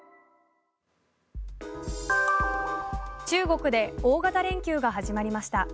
中国で大型連休が始まりました。